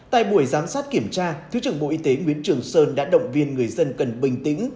tại buổi giám sát kiểm tra thứ trưởng bộ y tế nguyễn trường sơn đã động viên người dân cần bình tĩnh